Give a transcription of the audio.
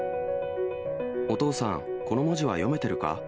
お父さん、この文字は読めてるか？